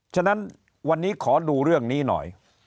ฉะนั้นวันนี้ขอดูเรื่องนี้หน่อย